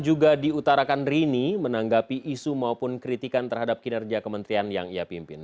juga diutarakan rini menanggapi isu maupun kritikan terhadap kinerja kementerian yang ia pimpin